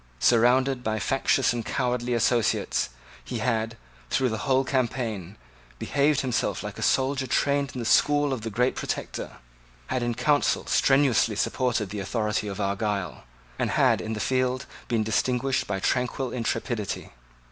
Surrounded by factious and cowardly associates, he had, through the whole campaign, behaved himself like a soldier trained in the school of the great Protector, had in council strenuously supported the authority of Argyle, and had in the field been distinguished by tranquil intrepidity.